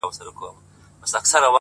په مخه دي د اور ګلونه؛